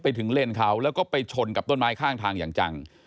ไปชนกับต้นไม้ข้างทางอย่างจัง